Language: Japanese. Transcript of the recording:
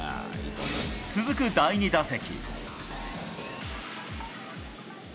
続く第２打席。